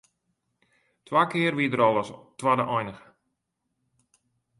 Twa kear wie er al as twadde einige.